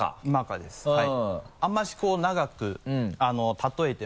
あんまり長く例えても。